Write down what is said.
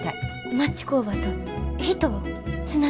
町工場と人をつなげたい。